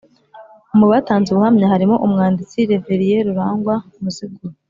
Mu batanze ubuhamya harimo Umwanditsi Reverien Rurangwa Muzigura